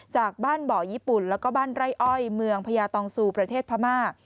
จากบ้านบ่อญี่ปุ่นแล้วก็บ้านไร่อ้อยเมืองพญาตองซูประเทศพม่า